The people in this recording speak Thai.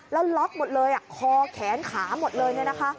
แล้วล็อกหมดเลยคอแขนขาหมดเลยเนี่ยนะคะ